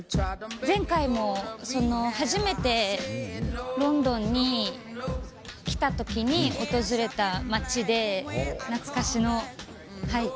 前回も初めてロンドンに来た時に訪れた街で。